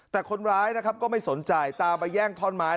แต่คนร้ายนะครับก็ไม่สนใจตามไปแย่งท่อนไม้